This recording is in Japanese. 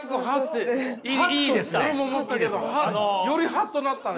俺も思ったけどよりハッとなったね！